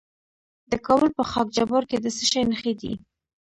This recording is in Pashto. د کابل په خاک جبار کې د څه شي نښې دي؟